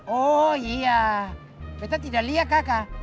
oh iya kita tidak lihat kakak